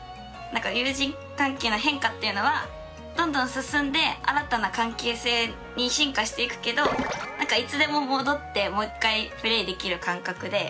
友人関係の変化っていうのはどんどん進んで新たな関係性に進化していくけどいつでも戻ってもう一回プレーできる感覚で。